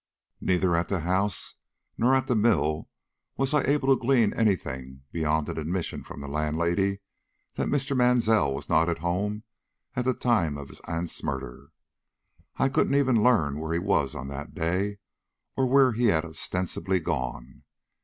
Neither at the house nor at the mill was I able to glean any thing beyond an admission from the landlady that Mr. Mansell was not at home at the time of his aunt's murder. I couldn't even learn where he was on that day, or where he had ostensibly gone?